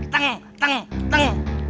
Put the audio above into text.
teng teng teng